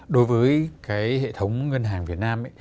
đối với cái hệ thống ngân hàng việt nam